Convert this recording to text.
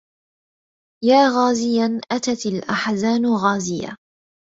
يا غازيا أتت الأحزان غازية